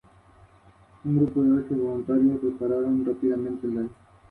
Uno y otros fueron llevadas a su máxima complejidad en el Área Maya.